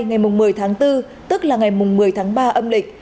ngày một mươi tháng bốn tức là ngày một mươi tháng ba âm lịch